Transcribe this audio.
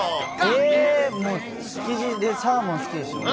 えー、もう、築地でサーモン好きでしょう。